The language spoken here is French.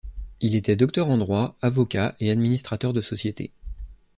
Il était docteur en droit, avocat et administrateur de sociétés.